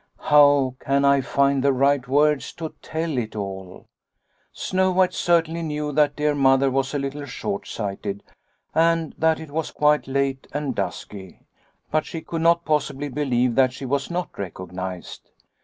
How can I find the right words to tell it all ? Snow White certainly knew that dear Mother was a little short sighted and that it was quite late and dusky, but she could not possibly believe that she was not recognised.